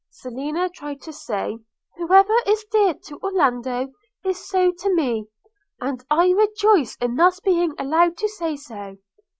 Selina tried to say, 'Whoever is dear to Orlando is so to me, and I rejoice in thus being allowed to say so.'